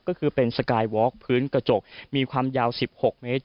ก็คือเป็นสกายวอล์กพื้นกระจกมีความยาว๑๖เมตร